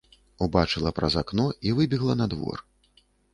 Убачыла праз акно і выбегла на двор.